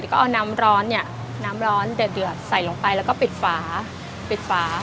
ก็เอาน้ำร้อนเนี่ยน้ำร้อนเดือดใส่ลงไปแล้วก็ปิดฝาปิดฝา